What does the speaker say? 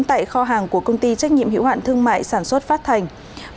tại kho hàng của công ty trách nhiệm hiệu hạn thương mại sản xuất phát thành